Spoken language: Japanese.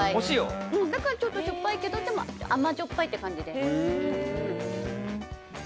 だから、ちょっとしょっぱいけど甘じょっぱい感じです。